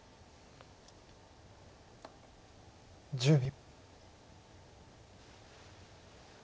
１０秒。